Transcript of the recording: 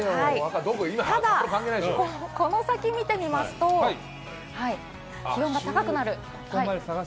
ただ、この先見てみますと、気温が高くなる。